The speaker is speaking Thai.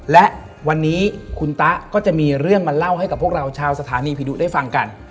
และวันนี้คุณตะก็จะมีเรื่องมาเล่าให้กับพวกเราชาวสถานีผีดุได้ฟังกัน